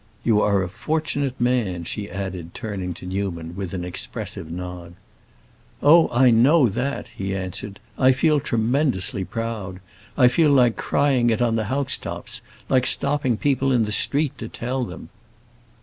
You are a fortunate man," she added, turning to Newman, with an expressive nod. "Oh, I know that!" he answered. "I feel tremendously proud. I feel like crying it on the housetops,—like stopping people in the street to tell them."